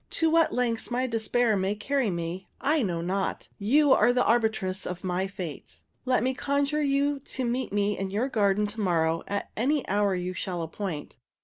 To what lengths my despair may carry me I know not. You are the arbitress of my fate. "Let me conjure you to meet me in your garden to morrow at any hour you shall appoint.